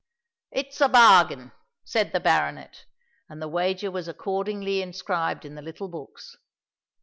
"It's a bargain," said the baronet; and the wager was accordingly inscribed in the little books.